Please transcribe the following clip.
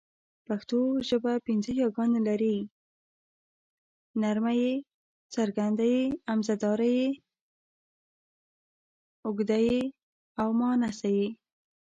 پښتو ژبه پینځه یاګانې لري: ی، ي، ئ، ې او ۍ